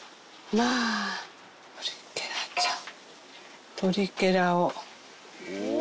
トリケラちゃん。